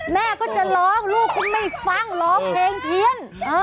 แม่ก็จะร้องลูกก็ไม่ฟังร้องเพลงเพี้ยน